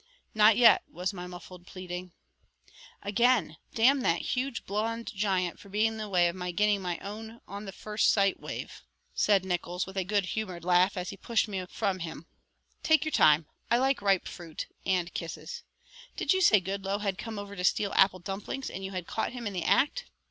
"Not yet," was my muffled pleading. "Again, damn that huge blond giant for being in the way of my getting my own on the first sight wave," said Nickols with a good humored laugh, as he pushed me from him. "Take your time. I like ripe fruit and kisses. Did you say Goodloe had come over to steal apple dumplings and you had caught him in the act?